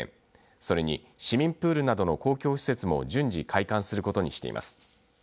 それに市民プールなどの公共施設も順次開館することにしています。